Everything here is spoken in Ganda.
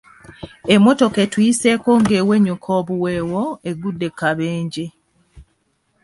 Emmotoka etuyiseeko ng'eweenyuuka obuweewo egudde ku kabenje.